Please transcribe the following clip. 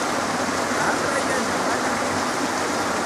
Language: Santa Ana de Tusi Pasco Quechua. Aqrayashqa mana mikur.